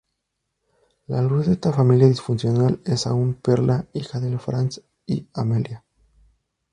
La luz de esta familia disfuncional es aún Perla, hija de Franz y Amelia.